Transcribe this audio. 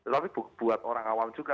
tapi buat orang awam juga